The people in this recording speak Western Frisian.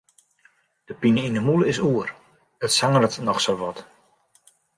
De pine yn 'e mûle is oer, it sangeret noch sa wat.